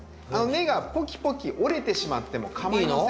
根がポキポキ折れてしまってもかまいません。